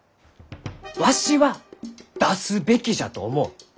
わしは出すべきじゃと思う！